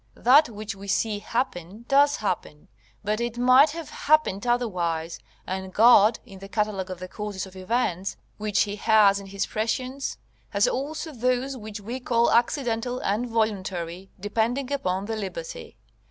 That which we see happen, does happen; but it might have happened otherwise: and God, in the catalogue of the causes of events which He has in His prescience, has also those which we call accidental and voluntary, depending upon the liberty.